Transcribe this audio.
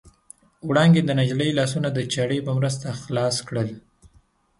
وړانګې د نجلۍ لاسونه د چاړې په مرسته خلاص کړل.